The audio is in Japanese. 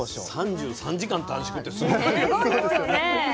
３３時間短縮ってすごいよね。